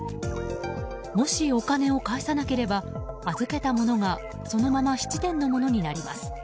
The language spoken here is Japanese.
もしお金を返さなければ預けた物がそのまま質店の物になります。